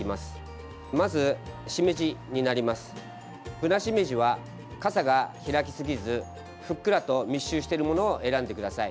ぶなしめじは、かさが開きすぎずふっくらと密集しているものを選んでください。